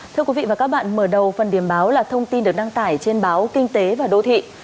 thưa quý vị và các bạn mở đầu phần điểm báo là thông tin được đăng tải trên báo kinh tế và đô thị